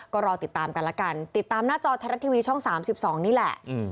ก็รอติดตามกันละกันติดตามหน้าจอไทยรัฐทีวีช่อง๓๒นี่แหละ